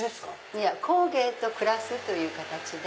いや工芸と暮らすという形で。